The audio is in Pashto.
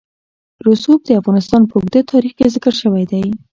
رسوب د افغانستان په اوږده تاریخ کې ذکر شوی دی.